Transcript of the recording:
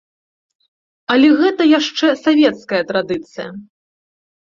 Але гэта яшчэ савецкая традыцыя.